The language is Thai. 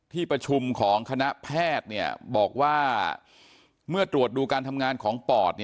ที่ประชุมของคณะแพทย์บอกว่าเมื่อตรวจดูการทำงานของปอด